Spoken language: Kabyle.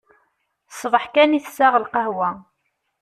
Ṣbeḥ kan i tesseɣ lqahwa.